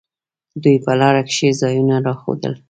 دوى په لاره کښې ځايونه راښوول.